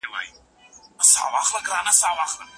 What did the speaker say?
د دلارام سیند د دغې سیمې مځکې خړوبوي